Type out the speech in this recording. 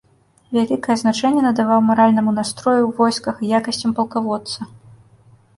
Вялікае значэнне надаваў маральнаму настрою ў войсках і якасцям палкаводца.